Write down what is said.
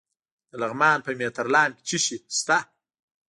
د لغمان په مهترلام کې څه شی شته؟